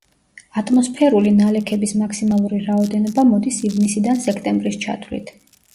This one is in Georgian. ატმოსფერული ნალექების მაქსიმალური რაოდენობა მოდის ივნისიდან სექტემბრის ჩათვლით.